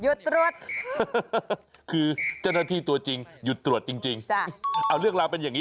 ตรวจคือเจ้าหน้าที่ตัวจริงหยุดตรวจจริงเอาเรื่องราวเป็นอย่างนี้